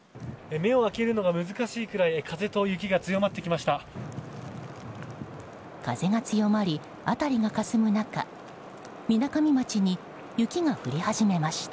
目を開けるのが難しいくらい風と雪が強まってきました。